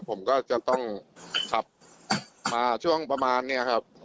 ผมก็จะต้องขับมาช่วงประมาณนี้ครับ